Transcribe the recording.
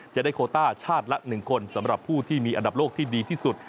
จะได้โคต้าชาติละ๑คนสำหรับผู้ที่มีอันดับโลกที่ดีที่สุด